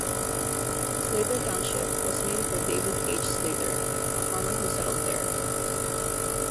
Slater Township was named for David H. Slater, a farmer who settled there.